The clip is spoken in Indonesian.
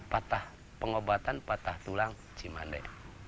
patah pengobatan patah tulang cimande